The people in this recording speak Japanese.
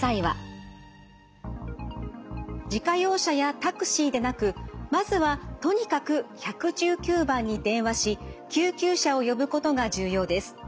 自家用車やタクシーでなくまずはとにかく１１９番に電話し救急車を呼ぶことが重要です。